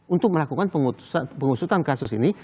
untuk melakukan pengusutan kasus ini